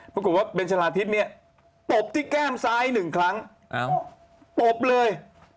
ปรากฏว่าเบนชะลาทิศเนี่ยตบที่แก้มซ้ายหนึ่งครั้งตบเลย